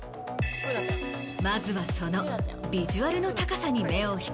まずはそのビジュアルの高さに目を引かれる。